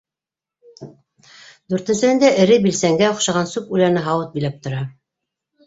Дүртенсеһендә эре билсәнгә оҡшаған сүп үләне һауыт биләп тора.